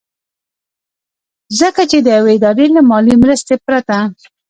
ځکه چې د يوې ادارې له مالي مرستې پرته